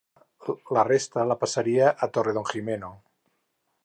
La resta la passaria al Torredonjimeno.